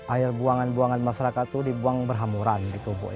air buangan buangan masyarakat itu dibuang berhamuran gitu bu